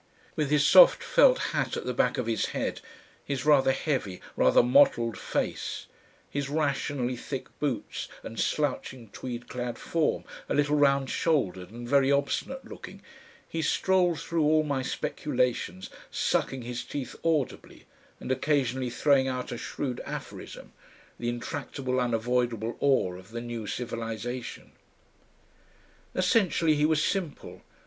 With his soft felt hat at the back of his head, his rather heavy, rather mottled face, his rationally thick boots and slouching tweed clad form, a little round shouldered and very obstinate looking, he strolls through all my speculations sucking his teeth audibly, and occasionally throwing out a shrewd aphorism, the intractable unavoidable ore of the new civilisation. Essentially he was simple.